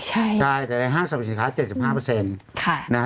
ใช่แต่ในห้างศัพท์ศิษย์ข้าว๗๕เปอร์เซ็นต์